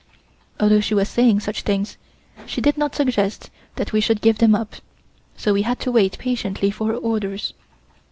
Although she was saying such things she did not suggest that we should give them up, so we had to wait patiently for her orders.